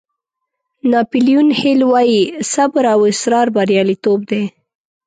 ناپیلیون هیل وایي صبر او اصرار بریالیتوب دی.